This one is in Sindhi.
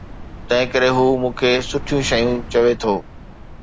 تنهن ڪري هو مون کي سٺيون شيون چوي ٿو